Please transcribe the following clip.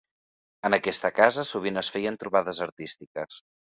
En aquesta casa sovint es feien trobades artístiques.